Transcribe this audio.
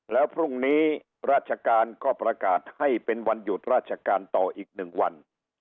แล้วพรุ่งนี้ราชการก็ประกาศให้เป็นวันหยุดราชการต่ออีก๑วัน